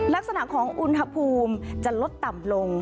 ลักษณะของอุณหภูมิจะลดต่ำลง